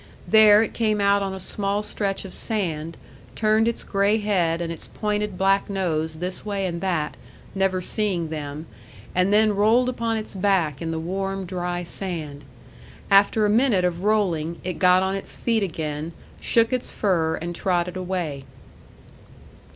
There it came out on a small stretch of sand, turned its gray head and its pointed black nose this way and that, never seeing them, and then rolled upon its back in the warm dry sand. After a minute of rolling, it got on its feet again, shook its fur, and trotted away.